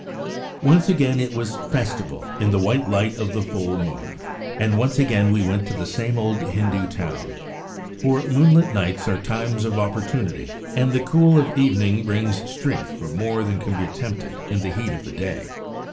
Once again it was festival in the white light of the full moon, and once again we went to the same old Hindu town; for moonlight nights are times of opportunity, and the cool of evening brings strength for more than can be attempted in the heat of the day.